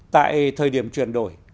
tại thời điểm chuyển đổi